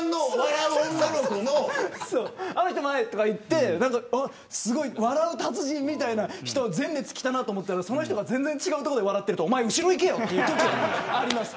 あの人、前とかいって笑う達人みたいな人前列来たなと思ったらその人が全然違うところで笑っているとおまえ後ろ行けよとかあります。